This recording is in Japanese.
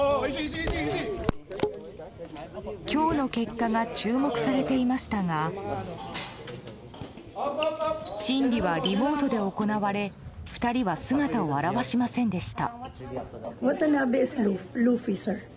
今日の結果が注目されていましたが審理はリモートで行われ２人は姿を現しませんでした。